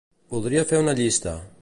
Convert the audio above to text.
Voldria fer una llista.